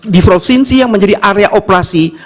di provinsi yang menjadi area operasi